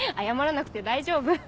謝らなくて大丈夫。